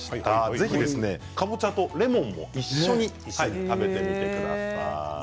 ぜひ、かぼちゃとレモンを一緒に食べてみてください。